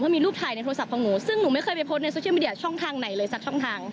ต้องมีรูปถ่ายในโทรศัพท์ของหนูซึ่งหนูไม่เคยไปโพสต์ในช่องทางไหนเลยจากช่องทาง